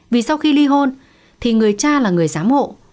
vì sau khi ly hôn thì người cha là người giám hộ